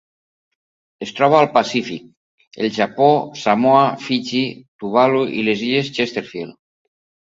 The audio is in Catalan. Es troba al Pacífic: el Japó, Samoa, Fiji, Tuvalu i les illes Chesterfield.